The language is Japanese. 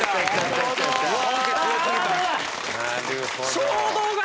衝動が。